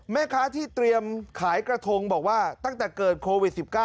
แม่ค้าที่เตรียมขายกระทงบอกว่าตั้งแต่เกิดโควิด๑๙